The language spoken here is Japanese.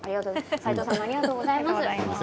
齊藤さんありがとうございました。